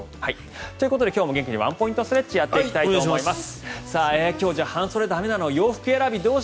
ということで今日も元気にワンポイントストレッチをやっていきたいと思います。